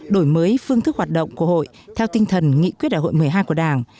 đổi mới phương thức hoạt động của hội theo tinh thần nghị quyết đại hội một mươi hai của đảng